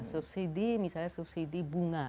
subsidi misalnya subsidi bunga